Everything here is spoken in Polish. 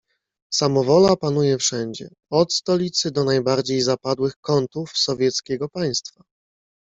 "Samowola panuje wszędzie, od stolicy do najbardziej zapadłych kątów sowieckiego państwa."